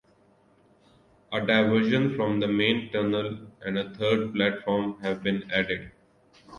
A diversion from the main tunnel and a third platform have been added.